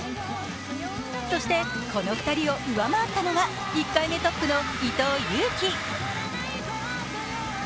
そして、この２人を上回ったのが１回目トップの伊藤有希。